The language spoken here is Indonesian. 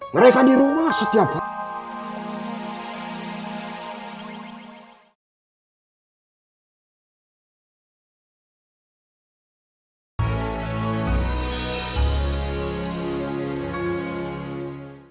mereka di rumah setiap hari